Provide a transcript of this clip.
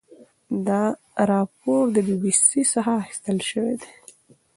دا راپور د بي بي سي څخه اخیستل شوی دی.